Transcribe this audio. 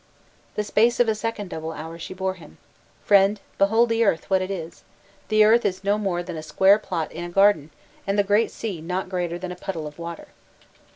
The space of a second double hour she bore him: 'Friend, behold the earth what it is, the earth is no more than a square plot in a garden, and the great sea is not greater than a puddle of water.